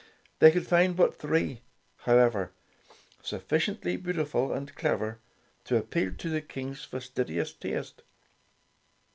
They could find but three, however, sufficiently beautiful and clever to appeal to the King's fastidious taste.